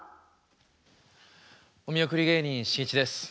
お見送り芸人しんいちです。